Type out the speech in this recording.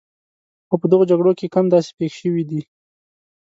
خو په دغو جګړو کې کم داسې پېښ شوي دي.